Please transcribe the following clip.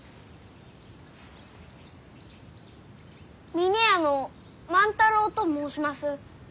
峰屋の万太郎と申します。